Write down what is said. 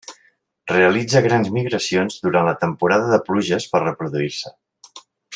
Realitza grans migracions durant la temporada de pluges per reproduir-se.